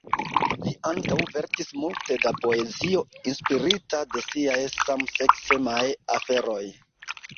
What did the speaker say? Li ankaŭ verkis multe da poezio inspirita de siaj samseksemaj aferoj.